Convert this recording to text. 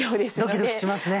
ドキドキしますね。